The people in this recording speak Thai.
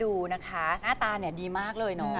ดูนะคะหน้าตาเนี่ยดีมากเลยเนาะ